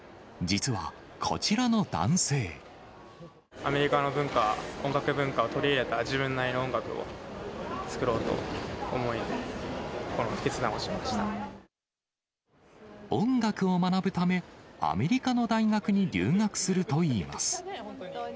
アメリカの文化、音楽文化を取り入れた自分なりの音楽を作ろうと思い、この決断を音楽を学ぶため、アメリカの大学に留学するといいます。